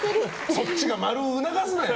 そっちが○を促すなよ！